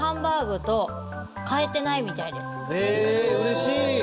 へえうれしい！